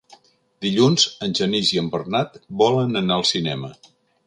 Dilluns en Genís i en Bernat volen anar al cinema.